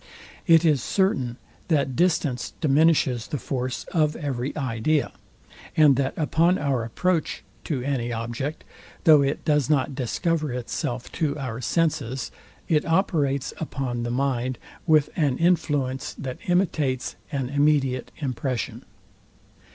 It is certain, that distance diminishes the force of every idea, and that upon our approach to any object; though it does not discover itself to our senses; it operates upon the mind with an influence that imitates an immediate impression.